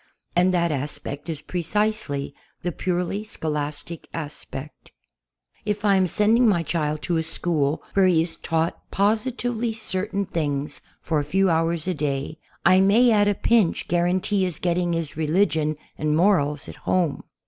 And that aspect is pre cisely the purely scholastic aspect. If I am sending my child to a school where he is taught positively certain things for a few hours a day, I may at a pinch guarantee his getting his religion and morals at home.